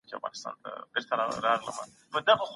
که د اختلافي مسایلو پرتله وسي، نو د وضاحت زمینه برابره سي.